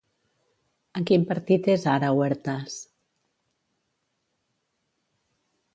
En quin partit és ara Huertas?